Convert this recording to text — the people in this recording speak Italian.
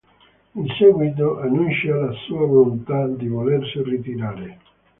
In seguito annuncia la sua volontà di volersi ritirare.